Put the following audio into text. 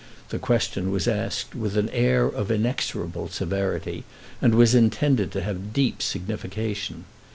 The question was asked with an air of inexorable severity, and was intended to have deep signification.